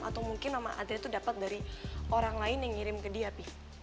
atau mungkin mamah adriana tuh dapat dari orang lain yang ngirim ke dia pi